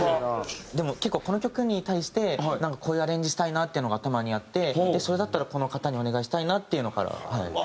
でも結構この曲に対してこういうアレンジしたいなっていうのが頭にあってそれだったらこの方にお願いしたいなっていうのから。